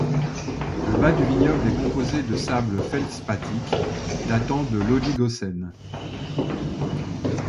Le bas du vignoble est composé de sables feldspathiques datant de l'oligocène.